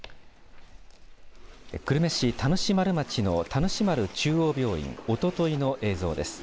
久留米市田主丸町の田主丸中央病院おとといの映像です。